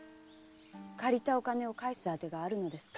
借りたお金を返すあてがあるのですか？